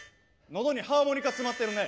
のどにハーモニカ詰まってるね！